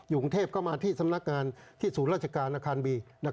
กรุงเทพก็มาที่สำนักงานที่ศูนย์ราชการอาคารบี